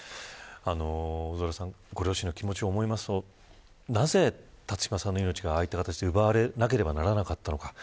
大空さんご両親の気持ちを思いますとなぜ、辰島さんの命がああいった形で奪われなければならなかったのか